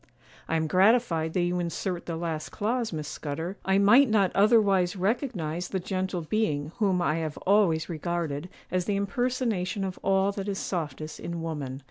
'I am gratified that you insert the last clause, Miss Scudder; I might not otherwise recognize the gentle being whom I have always regarded as the impersonation of all that is softest in woman.